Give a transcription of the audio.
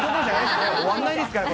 終わらないですからね。